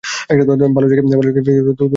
ভালো জায়গায় গিয়ে দোকান করেন, যেখানে লোকজন আছে।